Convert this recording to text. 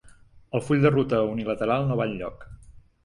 El full de ruta unilateral no va enlloc